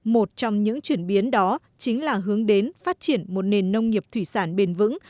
một trong những chuyển biến đó chính là hướng đến phát triển một nền nông nghiệp thủy sản bền vững